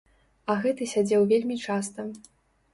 А гэты сядзеў вельмі часта.